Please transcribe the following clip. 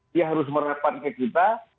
dia harus merapat ke kita